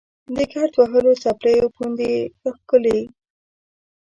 د ګرد وهلو څپلیو پوندې یې راښکلې.